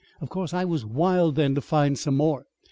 Of course I was wild then to find some more.